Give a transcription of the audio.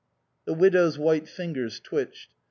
The widow's white fingers twitched.